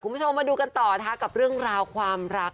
คุณผู้ชมมาดูกันต่อนะคะกับเรื่องราวความรัก